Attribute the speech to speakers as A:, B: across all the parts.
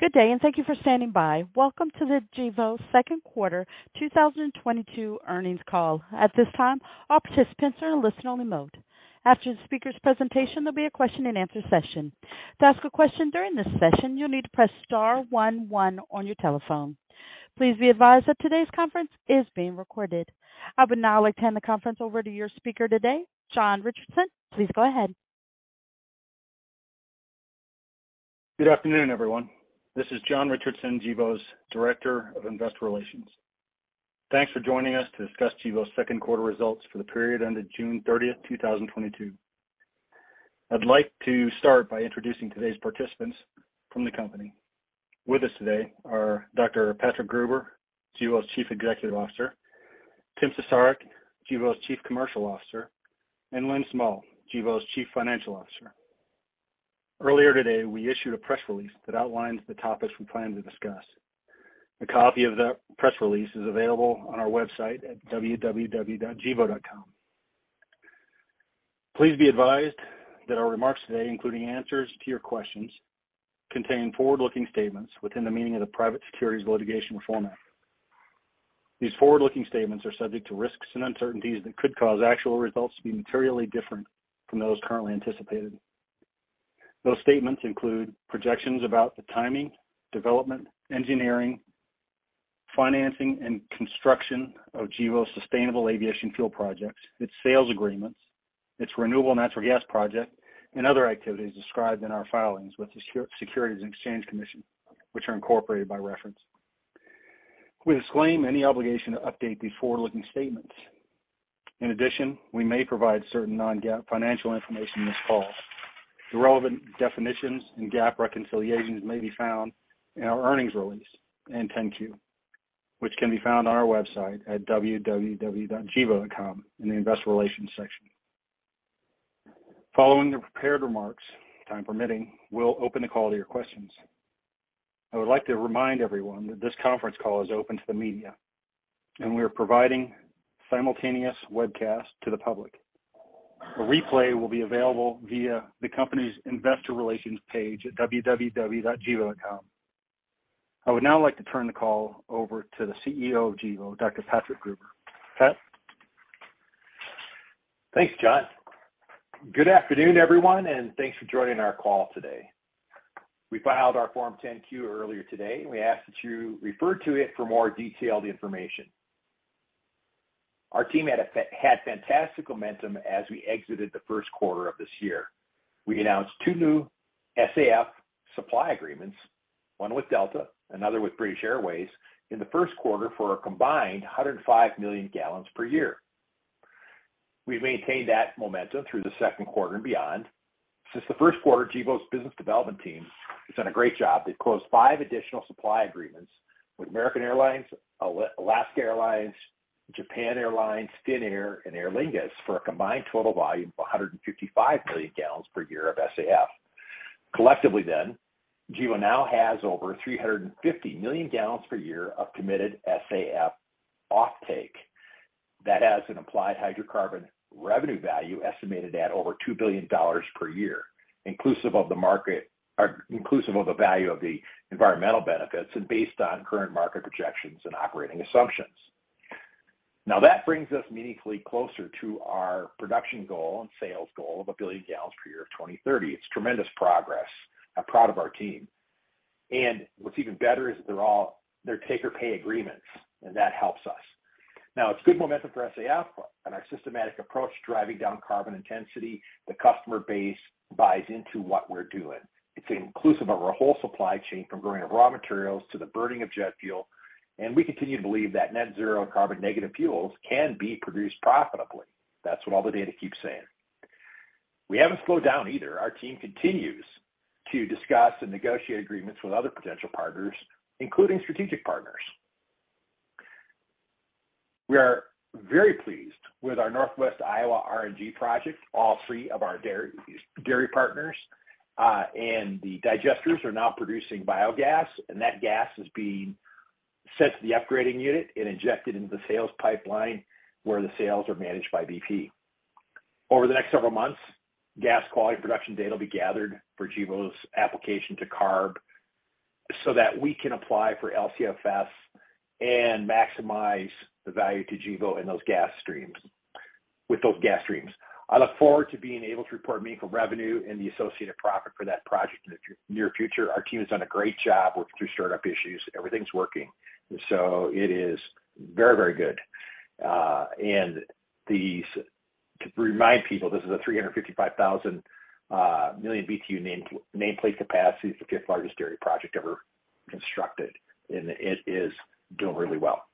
A: Good day, and thank you for standing by. Welcome to the Gevo Second Quarter 2022 Earnings Call. At this time, all participants are in a listen-only mode. After the speaker's presentation, there'll be a question-and-answer session. To ask a question during this session, you'll need to press star one one on your telephone. Please be advised that today's conference is being recorded. I would now like to hand the conference over to your speaker today, John Richardson. Please go ahead.
B: Good afternoon, everyone. This is John Richardson, Gevo's Director of Investor Relations. Thanks for joining us to discuss Gevo's second quarter results for the period ended June 30, 2022. I'd like to start by introducing today's participants from the company. With us today are Dr. Patrick Gruber, Gevo's Chief Executive Officer, Tim Cesarek, Gevo's Chief Commercial Officer, and Lynn Smull, Gevo's Chief Financial Officer. Earlier today, we issued a press release that outlines the topics we plan to discuss. A copy of that press release is available on our website at www.gevo.com. Please be advised that our remarks today, including answers to your questions, contain forward-looking statements within the meaning of the Private Securities Litigation Reform Act. These forward-looking statements are subject to risks and uncertainties that could cause actual results to be materially different from those currently anticipated. Those statements include projections about the timing, development, engineering, financing, and construction of Gevo's sustainable aviation fuel projects, its sales agreements, its renewable natural gas project, and other activities described in our filings with the Securities and Exchange Commission, which are incorporated by reference. We disclaim any obligation to update these forward-looking statements. In addition, we may provide certain non-GAAP financial information in this call. The relevant definitions and GAAP reconciliations may be found in our earnings release and 10-Q, which can be found on our website at www.gevo.com in the investor relations section. Following the prepared remarks, time permitting, we'll open the call to your questions. I would like to remind everyone that this conference call is open to the media, and we are providing simultaneous webcast to the public. A replay will be available via the company's investor relations page at www.gevo.com. I would now like to turn the call over to the CEO of Gevo, Dr. Patrick Gruber. Pat?
C: Thanks, John. Good afternoon, everyone, and thanks for joining our call today. We filed our Form 10-Q earlier today, and we ask that you refer to it for more detailed information. Our team had fantastic momentum as we exited the first quarter of this year. We announced two new SAF supply agreements, one with Delta, another with British Airways, in the first quarter for a combined 105 million gallons per year. We've maintained that momentum through the second quarter and beyond. Since the first quarter, Gevo's business development team has done a great job. They've closed five additional supply agreements with American Airlines, Alaska Airlines, Japan Airlines, Finnair, and Aer Lingus for a combined total volume of 155 million gallons per year of SAF. Collectively, Gevo now has over 350 million gallons per year of committed SAF offtake that has an applied hydrocarbon revenue value estimated at over $2 billion per year, inclusive of the value of the environmental benefits and based on current market projections and operating assumptions. Now, that brings us meaningfully closer to our production goal and sales goal of 1 billion gallons per year of 2030. It's tremendous progress. I'm proud of our team. What's even better is they're all take or pay agreements, and that helps us. Now, it's good momentum for SAF, and our systematic approach driving down carbon intensity. The customer base buys into what we're doing. It's inclusive of our whole supply chain, from growing of raw materials to the burning of jet fuel, and we continue to believe that net zero carbon negative fuels can be produced profitably. That's what all the data keeps saying. We haven't slowed down either. Our team continues to discuss and negotiate agreements with other potential partners, including strategic partners. We are very pleased with our Northwest Iowa RNG project. All three of our dairy partners and the digesters are now producing biogas, and that gas is being sent to the upgrading unit and injected into the sales pipeline where the sales are managed by BP. Over the next several months, gas quality production data will be gathered for Gevo's application to CARB so that we can apply for LCFS and maximize the value to Gevo with those gas streams. I look forward to being able to report meaningful revenue and the associated profit for that project in the near future. Our team has done a great job working through startup issues. Everything's working, so it is very, very good. To remind people, this is a 355 million BTU nameplate capacity, the fifth-largest dairy project ever constructed, and it is doing really well.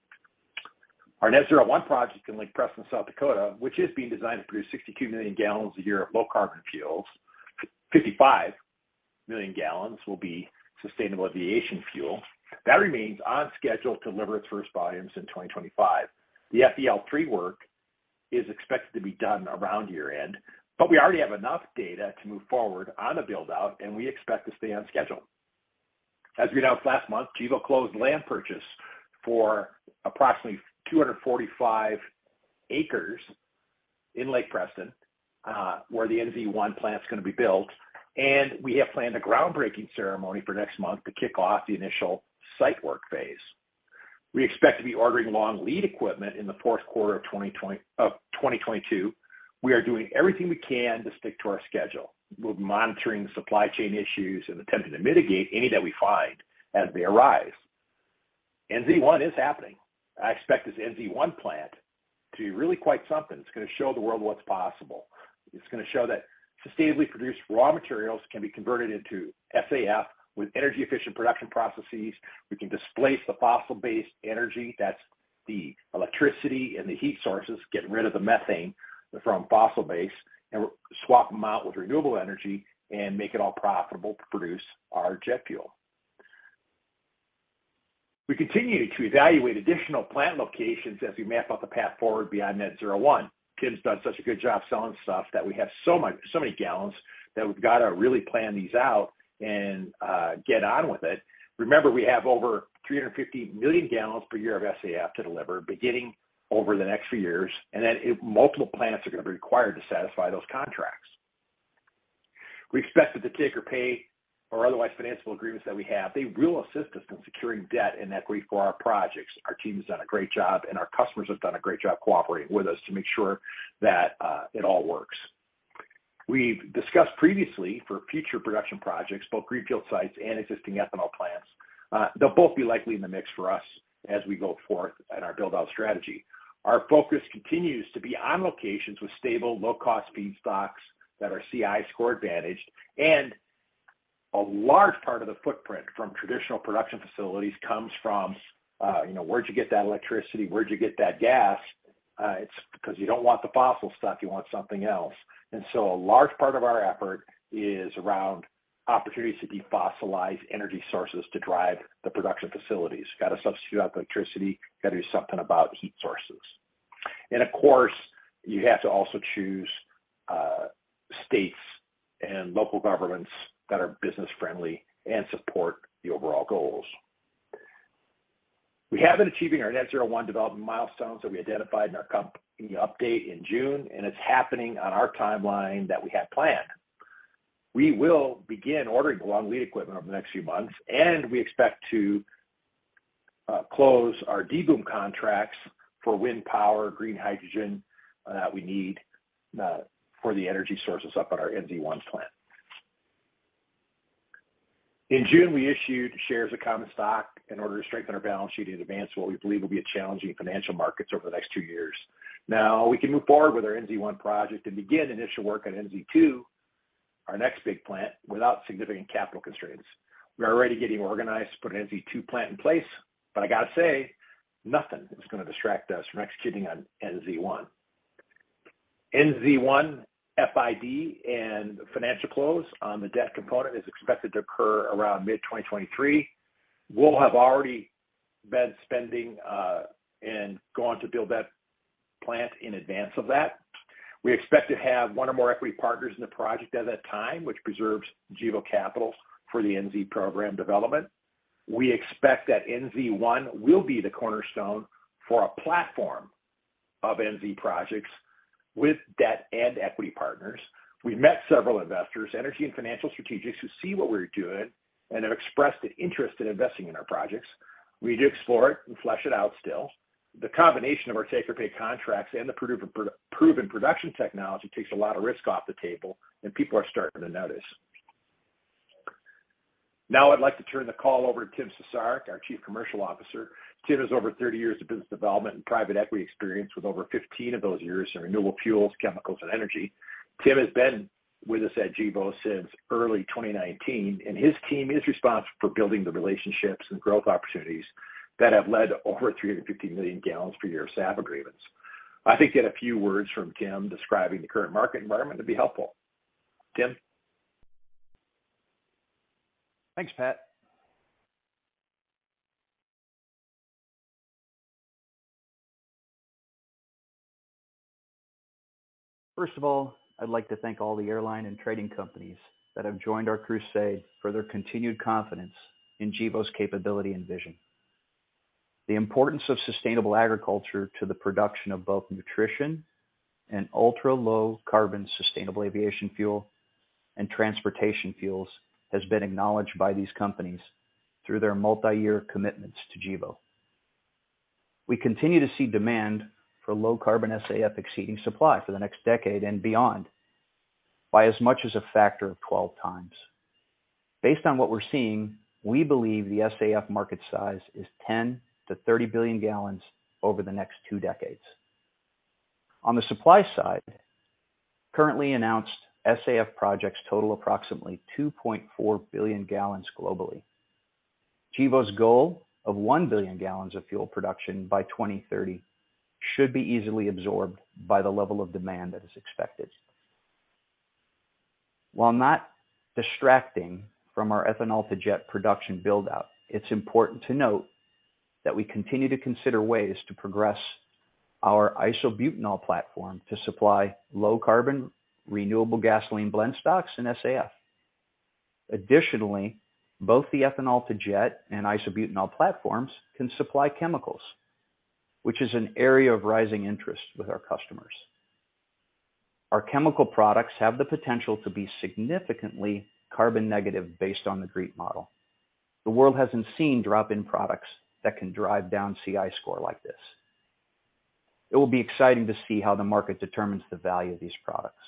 C: Our Net-Zero 1 Project in Lake Preston, South Dakota, which is being designed to produce 62 million gallons a year of low carbon fuels. 55 million gallons will be sustainable aviation fuel. That remains on schedule to deliver its first volumes in 2025. The FEL3 work is expected to be done around year-end, but we already have enough data to move forward on the build-out, and we expect to stay on schedule. As we announced last month, Gevo closed land purchase for approximately 245 acres in Lake Preston, where the NZ1 plant's gonna be built, and we have planned a groundbreaking ceremony for next month to kick off the initial site work phase. We expect to be ordering long lead equipment in the fourth quarter of 2022. We are doing everything we can to stick to our schedule. We're monitoring the supply chain issues and attempting to mitigate any that we find as they arise. NZ1 is happening. I expect this NZ1 plant to be really quite something. It's gonna show the world what's possible. It's gonna show that sustainably produced raw materials can be converted into SAF with energy-efficient production processes. We can displace the fossil-based energy, that's the electricity and the heat sources, get rid of the methane from fossil-based, and swap 'em out with renewable energy and make it all profitable to produce our jet fuel. We continue to evaluate additional plant locations as we map out the path forward beyond Net-Zero 1. Tim's done such a good job selling stuff that we have so many gallons that we've gotta really plan these out and get on with it. Remember, we have over 350 million gallons per year of SAF to deliver beginning over the next few years, and multiple plants are gonna be required to satisfy those contracts. We expect that the take or pay or otherwise financiable agreements that we have, they will assist us in securing debt and equity for our projects. Our team has done a great job, and our customers have done a great job cooperating with us to make sure that, it all works. We've discussed previously for future production projects, both greenfield sites and existing ethanol plants, they'll both be likely in the mix for us as we go forth in our build-out strategy. Our focus continues to be on locations with stable, low-cost feedstocks that are CI score advantaged. A large part of the footprint from traditional production facilities comes from, you know, where'd you get that electricity? Where'd you get that gas? It's because you don't want the fossil stuff, you want something else. A large part of our effort is around opportunities to defossilize energy sources to drive the production facilities. Gotta substitute out the electricity, gotta do something about heat sources. Of course, you have to also choose states and local governments that are business-friendly and support the overall goals. We have been achieving our Net-Zero 1 development milestones that we identified in our company update in June, and it's happening on our timeline that we had planned. We will begin ordering the long lead equipment over the next few months, and we expect to close our DBOOM contracts for wind power, green hydrogen that we need for the energy sources up at our NZ1 plant. In June, we issued shares of common stock in order to strengthen our balance sheet in advance of what we believe will be challenging financial markets over the next two years. Now we can move forward with our NZ1 project and begin initial work on NZ2, our next big plant, without significant capital constraints. We're already getting organized to put an NZ2 plant in place, but I gotta say, nothing is gonna distract us from executing on NZ1. NZ1 FID and financial close on the debt component is expected to occur around mid-2023. We'll have already been spending, and gone to build that plant in advance of that. We expect to have one or more equity partners in the project at that time, which preserves Gevo capital for the NZ program development. We expect that NZ1 will be the cornerstone for a platform of NZ projects with debt and equity partners. We met several investors, energy and financial strategics who see what we're doing and have expressed an interest in investing in our projects. We need to explore it and flesh it out still. The combination of our take or pay contracts and the proven production technology takes a lot of risk off the table, and people are starting to notice. Now I'd like to turn the call over to Tim Cesarek, our Chief Commercial Officer. Tim has over 30 years of business development and private equity experience with over 15 of those years in renewable fuels, chemicals and energy. Tim has been with us at Gevo since early 2019, and his team is responsible for building the relationships and growth opportunities that have led to over 350 million gallons per year of SAF agreements. I think that a few words from Tim describing the current market environment would be helpful. Tim?
D: Thanks, Pat. First of all, I'd like to thank all the airline and trading companies that have joined our crusade for their continued confidence in Gevo's capability and vision. The importance of sustainable agriculture to the production of both nutrition and ultra-low carbon sustainable aviation fuel and transportation fuels has been acknowledged by these companies through their multi-year commitments to Gevo. We continue to see demand for low-carbon SAF exceeding supply for the next decade and beyond by as much as a factor of 12 times. Based on what we're seeing, we believe the SAF market size is 10-30 billion gallons over the next two decades. On the supply side, currently announced SAF projects total approximately 2.4 billion gallons globally. Gevo's goal of 1 billion gallons of fuel production by 2030 should be easily absorbed by the level of demand that is expected. While not distracting from our ethanol to jet production build-out, it's important to note that we continue to consider ways to progress our isobutanol platform to supply low-carbon renewable gasoline blend stocks and SAF. Additionally, both the ethanol to jet and isobutanol platforms can supply chemicals, which is an area of rising interest with our customers. Our chemical products have the potential to be significantly carbon negative based on the GREET model. The world hasn't seen drop-in products that can drive down CI score like this. It will be exciting to see how the market determines the value of these products.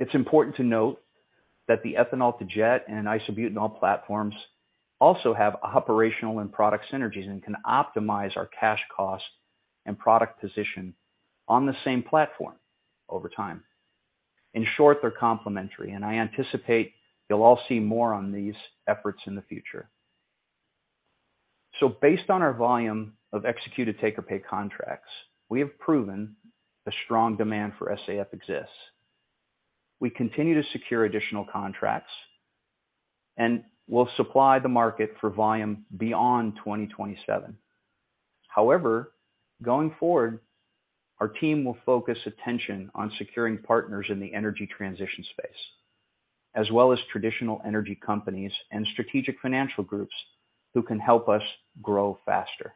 D: It's important to note that the ethanol to jet and isobutanol platforms also have operational and product synergies and can optimize our cash cost and product position on the same platform over time. In short, they're complementary, and I anticipate you'll all see more on these efforts in the future. Based on our volume of executed take-or-pay contracts, we have proven a strong demand for SAF exists. We continue to secure additional contracts, and we'll supply the market for volume beyond 2027. However, going forward, our team will focus attention on securing partners in the energy transition space, as well as traditional energy companies and strategic financial groups who can help us grow faster.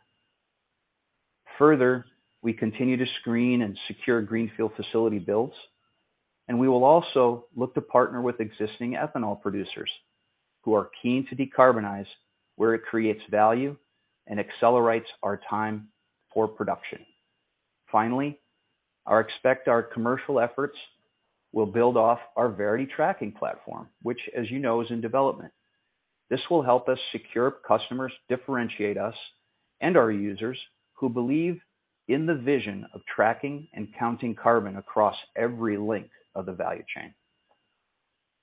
D: Further, we continue to screen and secure greenfield facility builds, and we will also look to partner with existing ethanol producers who are keen to decarbonize where it creates value and accelerates our time for production. Finally, I expect our commercial efforts will build off our Verity tracking platform, which, as you know, is in development. This will help us secure customers, differentiate us, and our users who believe in the vision of tracking and counting carbon across every link of the value chain.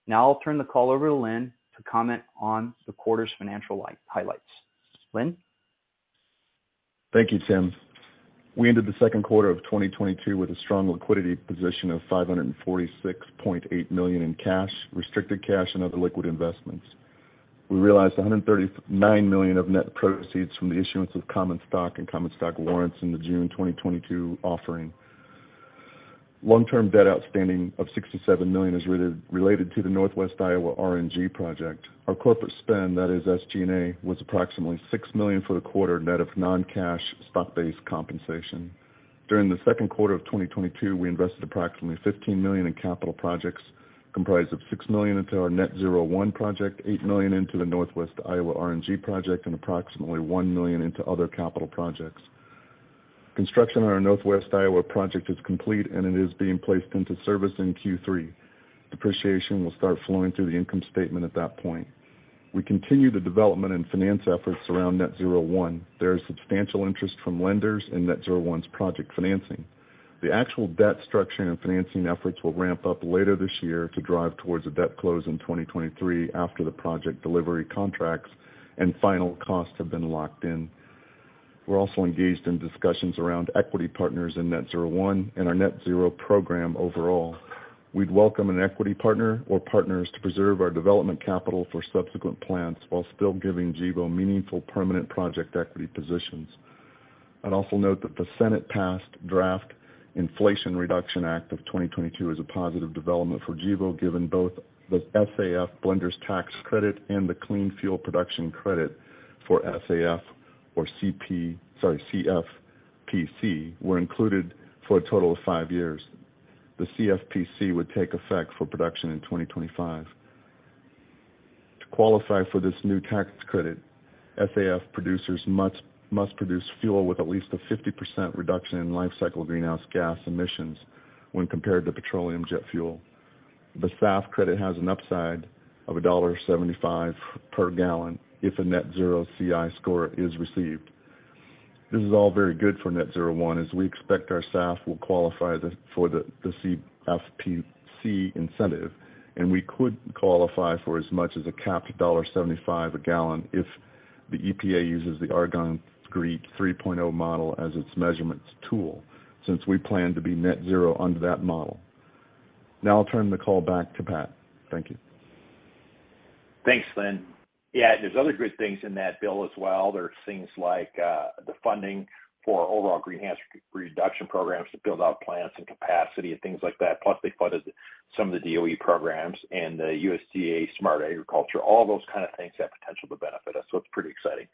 D: Now I'll turn the call over to Lynn to comment on the quarter's financial highlights. Lynn?
E: Thank you, Tim. We ended the second quarter of 2022 with a strong liquidity position of $546.8 million in cash, restricted cash, and other liquid investments. We realized $139 million of net proceeds from the issuance of common stock and common stock warrants in the June 2022 offering. Long-term debt outstanding of $67 million is related to the Northwest Iowa RNG project. Our corporate spend, that is SG&A, was approximately $6 million for the quarter net of non-cash stock-based compensation. During the second quarter of 2022, we invested approximately $15 million in capital projects comprised of $6 million into our Net-Zero 1 project, $8 million into the Northwest Iowa RNG project, and approximately $1 million into other capital projects. Construction on our Northwest Iowa project is complete, and it is being placed into service in Q3. Depreciation will start flowing through the income statement at that point. We continue the development and finance efforts around Net-Zero 1. There is substantial interest from lenders in Net-Zero 1's project financing. The actual debt structuring and financing efforts will ramp up later this year to drive towards a debt close in 2023 after the project delivery contracts and final costs have been locked in. We're also engaged in discussions around equity partners in Net-Zero 1 and our Net-Zero program overall. We'd welcome an equity partner or partners to preserve our development capital for subsequent plants while still giving Gevo meaningful permanent project equity positions. I'd also note that the Senate-passed Draft Inflation Reduction Act of 2022 is a positive development for Gevo, given both the SAF blenders tax credit and the clean fuel production credit for SAF or CFPC were included for a total of five years. The CFPC would take effect for production in 2025. To qualify for this new tax credit, SAF producers must produce fuel with at least a 50% reduction in lifecycle greenhouse gas emissions when compared to petroleum jet fuel. The SAF credit has an upside of $1.75 per gallon if a net zero CI score is received. This is all very good for Net-Zero One, as we expect our SAF will qualify for the CFPC incentive, and we could qualify for as much as a capped $75 a gallon if the EPA uses the Argonne GREET 3.0 model as its measurement tool since we plan to be net zero under that model. Now I'll turn the call back to Pat. Thank you.
C: Thanks, Lynn. Yeah, there's other good things in that bill as well. There's things like, the funding for overall greenhouse reduction programs to build out plants and capacity and things like that. Plus, they funded some of the DOE programs and the USDA Smart Agriculture, all those kind of things have potential to benefit us. It's pretty exciting.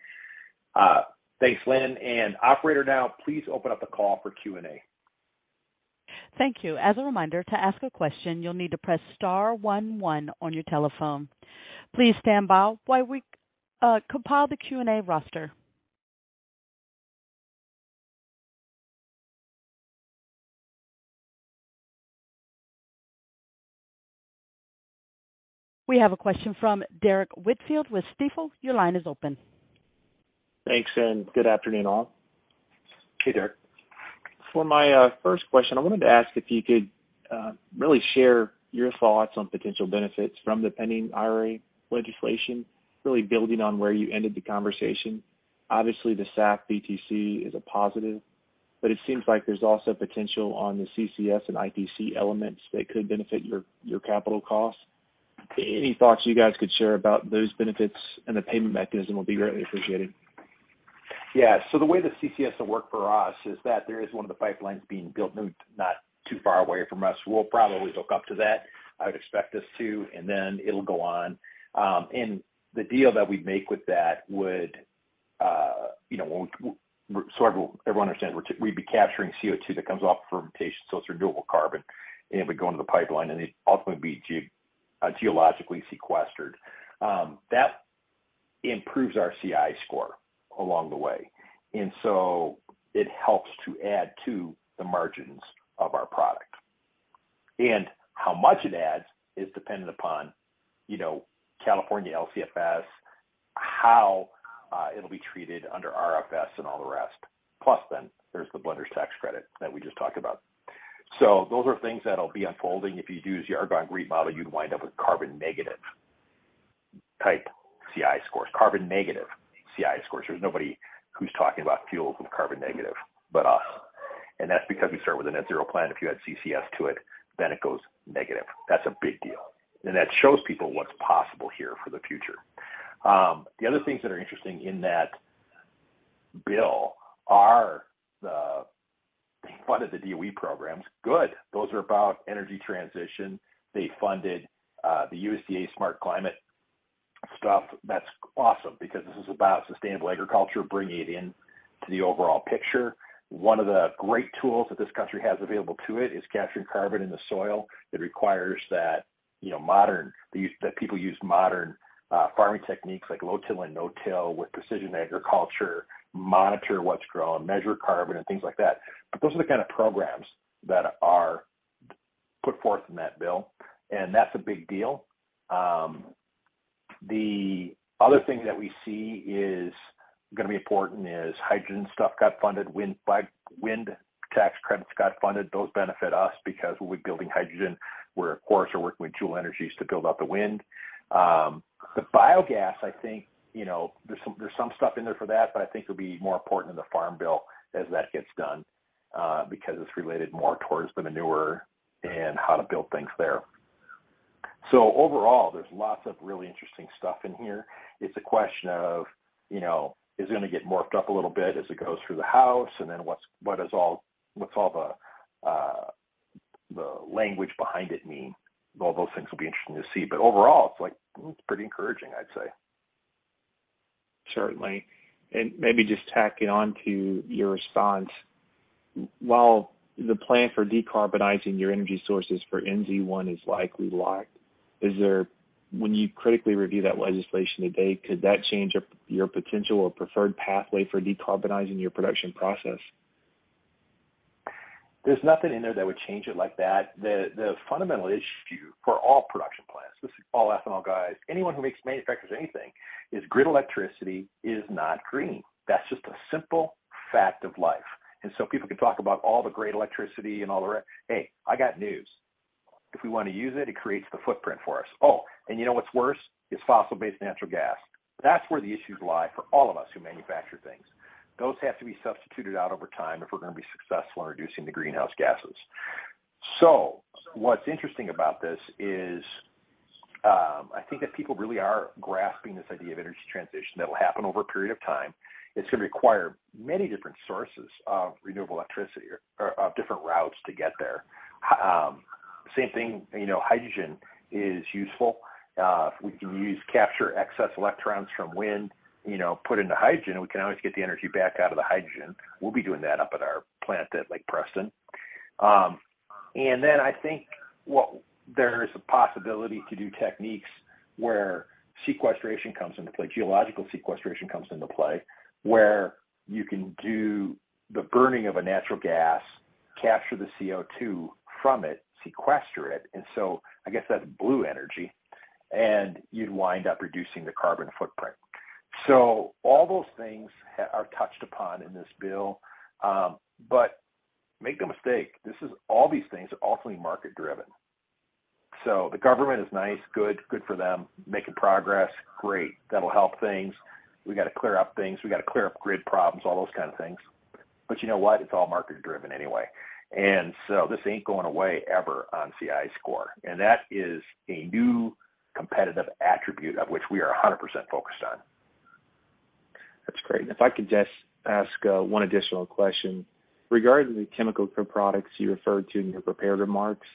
C: Thanks, Lynn. Operator, now please open up the call for Q&A.
A: Thank you. As a reminder, to ask a question, you'll need to press star one one on your telephone. Please stand by while we compile the Q&A roster. We have a question from Derrick Whitfield with Stifel. Your line is open.
F: Thanks, and good afternoon, all.
C: Hey, Derrick.
F: For my first question, I wanted to ask if you could really share your thoughts on potential benefits from the pending IRA legislation, really building on where you ended the conversation. Obviously, the SAF BTC is a positive, but it seems like there's also potential on the CCS and ITC elements that could benefit your capital costs. Any thoughts you guys could share about those benefits and the payment mechanism will be greatly appreciated.
C: Yeah. The way the CCS will work for us is that there is one of the pipelines being built not too far away from us. We'll probably hook up to that. I would expect us to, and then it'll go on. The deal that we make with that would, you know, so everyone understands, we'd be capturing CO2 that comes off fermentation, so it's renewable carbon, and it would go into the pipeline, and it'd ultimately be geologically sequestered. That improves our CI score along the way. It helps to add to the margins of our product. How much it adds is dependent upon, you know, California LCFS, how it'll be treated under RFS and all the rest. Plus then there's the blender tax credit that we just talked about. Those are things that'll be unfolding. If you use the Argonne GREET model, you'd wind up with carbon negative CI scores. There's nobody who's talking about fuels with carbon negative but us, and that's because we start with a net zero plant. If you add CCS to it, then it goes negative. That's a big deal. That shows people what's possible here for the future. The other things that are interesting in that bill are that they funded the DOE programs. Good. Those are about energy transition. They funded the USDA smart climate stuff. That's awesome because this is about sustainable agriculture, bringing it into the overall picture. One of the great tools that this country has available to it is capturing carbon in the soil that requires that, you know, people use modern farming techniques like low till and no till with precision agriculture, monitor what's grown, measure carbon and things like that. Those are the kind of programs that are put forth in that bill, and that's a big deal. The other thing that we see is gonna be important is hydrogen stuff got funded. Wind tax credits got funded. Those benefit us because we'll be building hydrogen. We're, of course, working with Juhl Energy to build out the wind. The biogas, I think, you know, there's some stuff in there for that, but I think it'll be more important in the farm bill as that gets done, because it's related more towards the manure and how to build things there. Overall, there's lots of really interesting stuff in here. It's a question of, is it gonna get morphed up a little bit as it goes through the House, and then what's all the language behind it mean? All those things will be interesting to see. Overall, it's like, it's pretty encouraging, I'd say.
F: Certainly. Maybe just tacking on to your response, while the plan for decarbonizing your energy sources for NZ1 is likely locked, when you critically review that legislation today, could that change your potential or preferred pathway for decarbonizing your production process?
C: There's nothing in there that would change it like that. The fundamental issue for all production plants, this is all ethanol guys, anyone who manufactures anything, is grid electricity is not green. That's just a simple fact of life. People can talk about all the great electricity and Hey, I got news. If we wanna use it creates the footprint for us. Oh, and you know what's worse is fossil-based natural gas. That's where the issues lie for all of us who manufacture things. Those have to be substituted out over time if we're gonna be successful in reducing the greenhouse gases. What's interesting about this is, I think that people really are grasping this idea of energy transition that will happen over a period of time. It's gonna require many different sources of renewable electricity or of different routes to get there. Same thing, you know, hydrogen is useful. If we can capture excess electrons from wind, you know, put it into hydrogen, and we can always get the energy back out of the hydrogen. We'll be doing that up at our plant at Lake Preston. I think there is a possibility to do techniques where sequestration comes into play, geological sequestration comes into play, where you can do the burning of a natural gas, capture the CO2 from it, sequester it. I guess that's blue energy, and you'd wind up reducing the carbon footprint. All those things are touched upon in this bill, but make no mistake, this is all these things are ultimately market driven. The government is nice, good for them, making progress, great. That'll help things. We got to clear up things. We got to clear up grid problems, all those kind of things. You know what? It's all market driven anyway. This ain't going away ever on CI score. That is a new competitive attribute of which we are 100% focused on.
F: That's great. If I could just ask one additional question. Regarding the chemical co-products you referred to in your prepared remarks,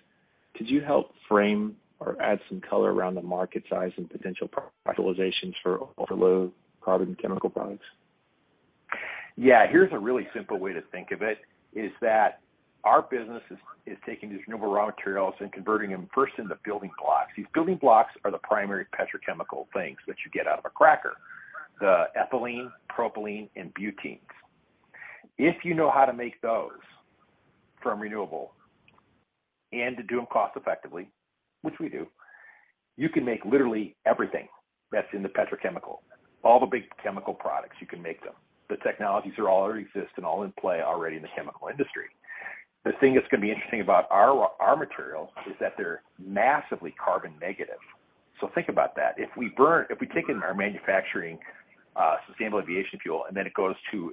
F: could you help frame or add some color around the market size and potential utilizations for ultra-low carbon chemical products?
C: Yeah. Here's a really simple way to think of it, is that our business is taking these renewable raw materials and converting them first into building blocks. These building blocks are the primary petrochemical things that you get out of a cracker, the ethylene, propylene, and butenes. If you know how to make those from renewable and to do them cost effectively, which we do, you can make literally everything that's in the petrochemical. All the big chemical products, you can make them. The technologies are all already exist and all in play already in the chemical industry. The thing that's gonna be interesting about our material is that they're massively carbon negative. Think about that. If we take in our manufacturing, sustainable aviation fuel, and then it goes to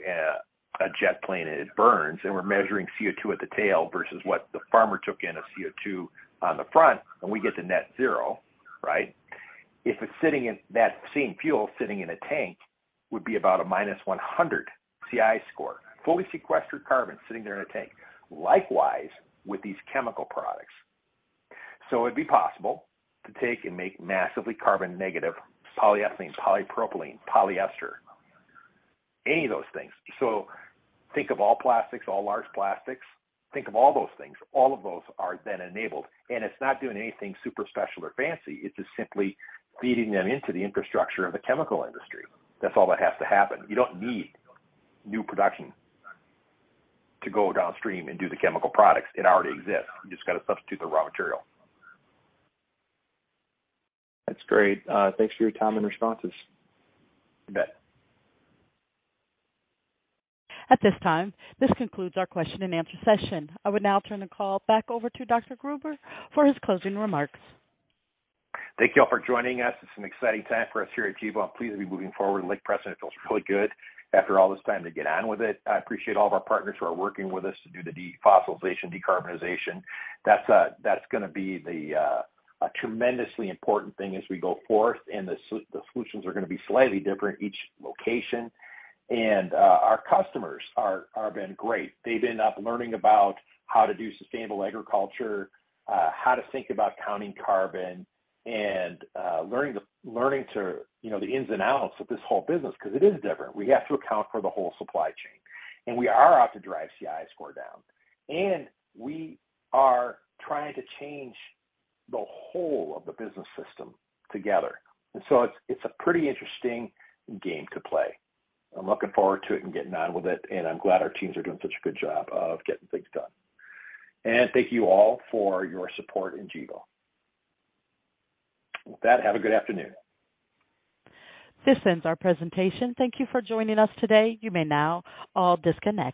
C: a jet plane and it burns, and we're measuring CO2 at the tail versus what the farmer took in of CO2 on the front, and we get to net zero, right? If it's sitting in that same fuel, sitting in a tank would be about a minus 100 CI score, fully sequestered carbon sitting there in a tank. Likewise with these chemical products. So it'd be possible to take and make massively carbon negative polyethylene, polypropylene, polyester, any of those things. So think of all plastics, all large plastics. Think of all those things. All of those are then enabled. It's not doing anything super special or fancy. It's just simply feeding them into the infrastructure of the chemical industry. That's all that has to happen. You don't need new production to go downstream and do the chemical products. It already exists. You just got to substitute the raw material.
F: That's great. Thanks for your time and responses.
C: You bet.
A: At this time, this concludes our question and answer session. I would now turn the call back over to Dr. Gruber for his closing remarks.
C: Thank you all for joining us. It's an exciting time for us here at Gevo. I'm pleased to be moving forward with Lake Preston. It feels really good after all this time to get on with it. I appreciate all of our partners who are working with us to do the defossilization, decarbonization. That's gonna be a tremendously important thing as we go forth. The solutions are gonna be slightly different each location. Our customers have been great. They've ended up learning about how to do sustainable agriculture, how to think about counting carbon and, learning to, you know, the ins and outs of this whole business because it is different. We have to account for the whole supply chain, and we are out to drive CI score down, and we are trying to change the whole of the business system together. It's a pretty interesting game to play. I'm looking forward to it and getting on with it. I'm glad our teams are doing such a good job of getting things done. Thank you all for your support in Gevo. With that, have a good afternoon.
A: This ends our presentation. Thank you for joining us today. You may now all disconnect.